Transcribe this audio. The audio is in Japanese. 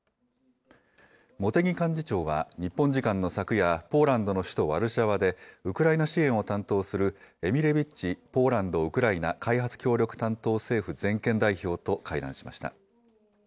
茂木幹事長は日本時間の昨夜、ポーランドの首都ワルシャワで、ウクライナ支援を担当するエミレビッチ・ポーランドウクライナ開発協力担当政府全権代表と会談しました。